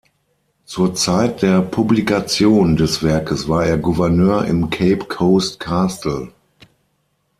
Zur Zeit der Publikation des Werkes war er Gouverneur im Cape Coast Castle.